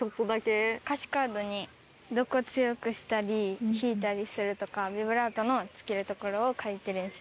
歌詞カードにどこ強くしたり引いたりするとかビブラートのつけるところを書いて練習してます。